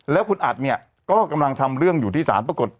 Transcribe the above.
แล้วคุณอัดเนี่ยก็กำลังทำเรื่องอยู่ที่ศาลปรากฏ